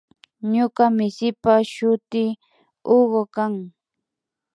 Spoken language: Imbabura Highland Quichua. Ñuka misipa shuti Hugo kan